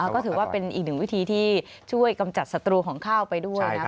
ก็ถือว่าเป็นอีกหนึ่งวิธีที่ช่วยกำจัดศัตรูของข้าวไปด้วยนะครับ